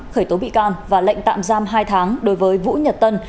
khởi tố bị can và lệnh tạm giam hai tháng đối với vũ nhật tân